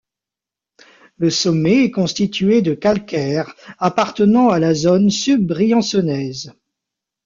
Le sommet est constitué de calcaires appartenant à la zone subbriançonnaise.